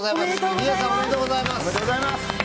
リエさんおめでとうございます。